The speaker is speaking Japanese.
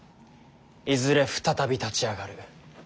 いずれ再び立ち上がる。